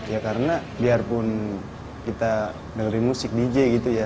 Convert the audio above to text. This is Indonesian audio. ya karena biarpun kita dengerin musik dj gitu ya